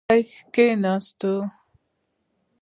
سړی کښیناست.